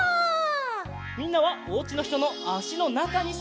みんなはおうちのひとのあしのなかにすわります。